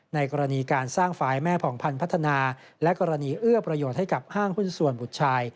ในกรณีการสร้างฝ่ายแม่ผ่องพันธ์พัฒนาและกรณีเอื้อประโยชน์ให้กับห้างหุ้นส่วนบุตรชาย